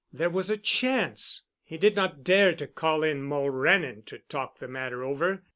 There was a chance. He did not dare to call in Mulrennan to talk the matter over.